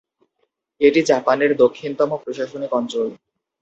এটি জাপানের দক্ষিণতম প্রশাসনিক অঞ্চল।